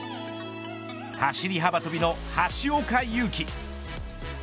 走り幅跳びの橋岡優輝。